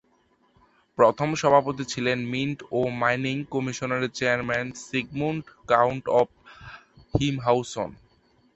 প্রথম সভাপতি ছিলেন মিন্ট ও মাইনিং কমিশনের চেয়ারম্যান সিগমুন্ড, কাউন্ট অফ হিমহাউসন।